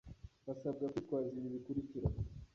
basabwa kwitwaza ibi bikurikira